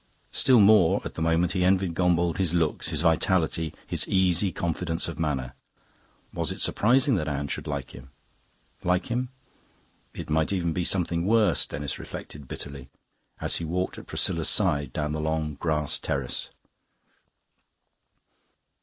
Still more, at the moment, he envied Gombauld his looks, his vitality, his easy confidence of manner. Was it surprising that Anne should like him? Like him? it might even be something worse, Denis reflected bitterly, as he walked at Priscilla's side down the long grass terrace.